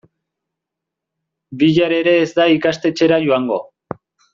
Bihar ere ez da ikastetxera joango.